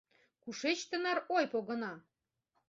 Кушеч тынар ой погына?